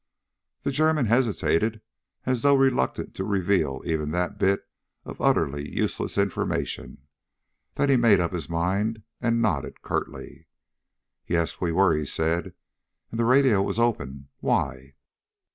The German hesitated as though reluctant to reveal even that bit of utterly useless information. Then he made up his mind, and nodded curtly. "Yes, we were," he said. "And the radio was open. Why?"